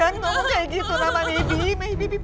namun teman gadis walaupun ofetnya gue kicau